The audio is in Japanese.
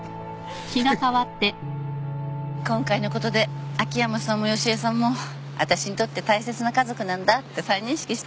今回のことで秋山さんも良恵さんも私にとって大切な家族なんだって再認識したわ。